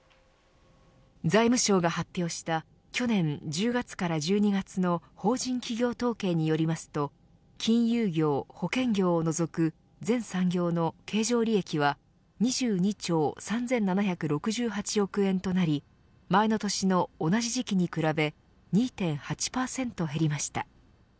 経常利益が８四半期ぶりに財務省が発表した去年１０月から１２月の法人企業統計によりますと金融業、保険業を除く全産業の経常利益は２２兆３７６８億円となり前の年の同じ時期に比べ２．８％減りました。